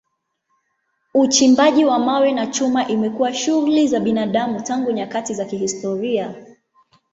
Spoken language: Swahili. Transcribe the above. Uchimbaji wa mawe na chuma imekuwa shughuli za binadamu tangu nyakati za kihistoria.